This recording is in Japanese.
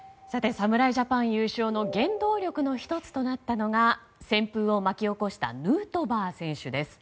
侍ジャパン優勝の原動力の１つとなったのが旋風を巻き起こしたヌートバー選手です。